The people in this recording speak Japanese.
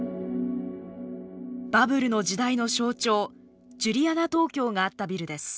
バブルの時代の象徴ジュリアナ東京があったビルです。